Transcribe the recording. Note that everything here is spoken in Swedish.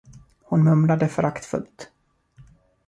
Hon mumlade föraktfullt.